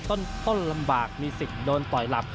ต้นลำบากมีสิทธิ์โดนต่อยหลับ